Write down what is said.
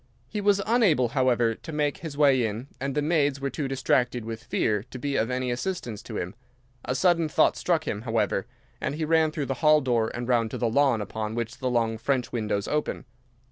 He was unable, however, to make his way in, and the maids were too distracted with fear to be of any assistance to him. A sudden thought struck him, however, and he ran through the hall door and round to the lawn upon which the long French windows open.